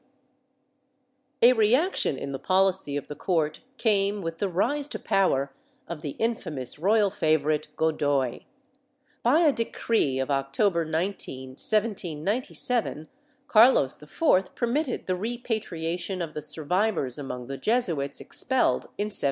^ A reaction in the policy of the court came with the rise to power of the infamous royal favorite Godoy. By a decree of October 19, 1797, Carlos IV permitted the repatriation of the survivors among the Jesuits expelled in 1767.